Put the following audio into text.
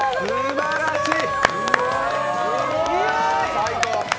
すばらしい！